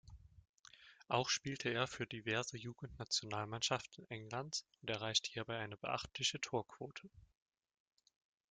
Auch spielte er für diverse Jugendnationalmannschaften Englands und erreichte hierbei eine beachtliche Torquote.